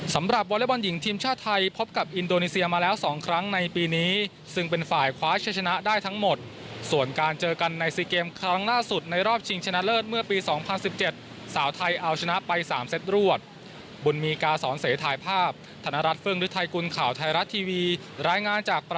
สำหรับวอเล็กบอลหญิงทีมชาวไทยพบกับอินโดนีเซียมาแล้วสองครั้งในปีนี้ซึ่งเป็นฝ่ายคว้าชนะชนะได้ทั้งหมดส่วนการเจอกันในซีเกมครั้งล่าสุดในรอบชิงชนะเลิศเมื่อปีสองพันสิบเจ็ดสาวไทยเอาชนะไปสามเซ็ตรวดบุญมีกาสอนเสียถ่ายภาพธนรรษฟึงหรือไทยกุลข่าวไทยรัฐทีวีรายง